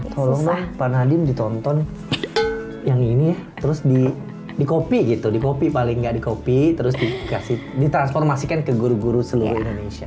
tolonglah pan hadim ditonton yang ini ya terus di copy gitu di copy paling nggak di copy terus dikasih di transformasikan ke guru guru seluruh indonesia